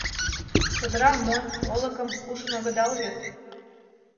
Чодырам монь, олыкым ужын огыдал вет?